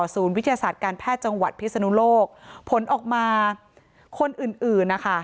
วิทยาศาสตร์การแพทย์จังหวัดพิศนุโลกผลออกมาคนอื่นอื่นนะคะ